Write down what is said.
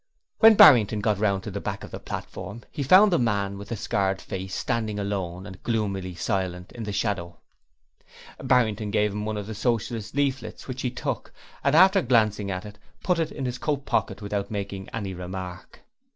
When Barrington got round to the back of the platform, he found the man with the scarred face standing alone and gloomily silent in the shadow. Barrington gave him one of the Socialist leaflets, which he took, and after glancing at it, put it in his coat pocket without making any remark.